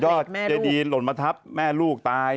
เจดีนหล่นมาทับแม่ลูกตาย